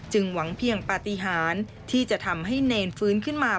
หวังเพียงปฏิหารที่จะทำให้เนรฟื้นขึ้นมา